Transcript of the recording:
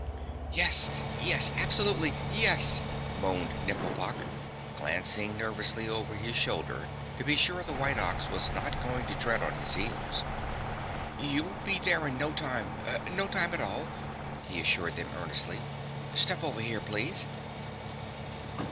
"Yes, yes, absolutely yes!" moaned Nifflepok, glancing nervously over his shoulder to be sure the white Ox was not going to tread on his heels. "You'll be there in no time, no time at all," he assured them earnestly. "Step over here, please."